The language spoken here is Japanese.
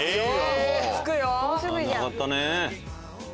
長かったね。